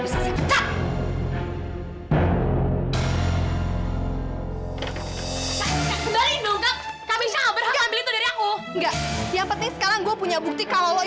si iksan itu pasti punya hubungan